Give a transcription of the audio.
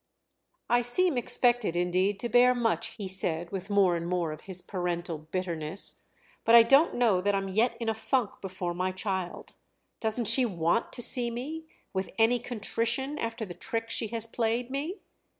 "I seem expected indeed to bear much," he said with more and more of his parental bitterness, "but I don't know that I'm yet in a funk before my child. Doesn't she want to see me, with any contrition, after the trick she has played me?"